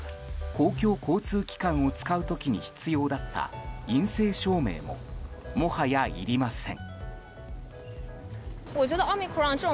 公共交通機関を使う時に必要だった陰性証明ももはやいりません。